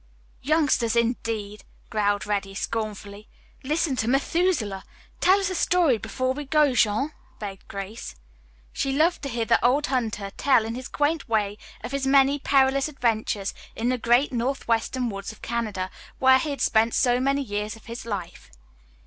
"Youngsters, indeed," growled Reddy scornfully. "Listen to Methuselah." "Tell us a story before we go, Jean," begged Grace. She loved to hear the old hunter tell in his quaint way of his many perilous adventures in the great northwestern woods of Canada, where he had spent so many years of his life.